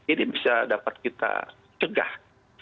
ini bisa dapat kita cegah